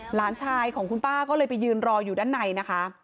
หลานชายของคุณป้าก็เลยไปยืนรออยู่ด้านในนะคะ